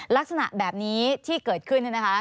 ลักษณะแบบนี้ที่เกิดขึ้น